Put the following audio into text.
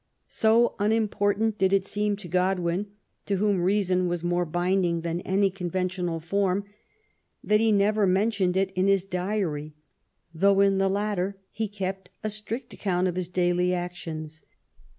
So unimportant did it seem to Godwin, to whom reason was more binding than any conventional form, that he never mentioned it in his diary, though in the latter he kept a strict account of his daily actions.